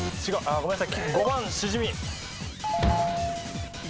ごめんなさい。